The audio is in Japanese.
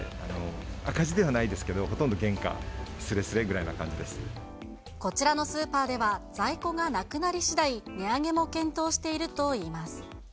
赤字ではないですけど、ほとんどこちらのスーパーでは、在庫がなくなりしだい、値上げも検討しているといいます。